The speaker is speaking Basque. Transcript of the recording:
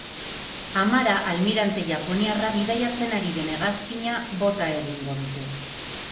Amara almirante japoniarra bidaiatzen ari den hegazkina bota egingo dute.